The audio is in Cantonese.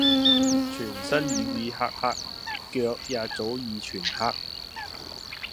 全身瘀瘀黑黑，腳也早已全黑